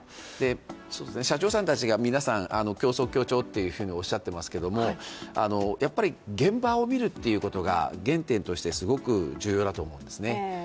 社長さんたちがみんな、競争・協調とおっしゃってますけどもやっぱり現場を見るということが原点として、すごく重要だと思うんですね。